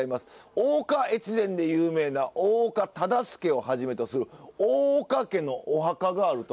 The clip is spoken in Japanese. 「大岡越前」で有名な大岡忠相をはじめとする大岡家のお墓がある所。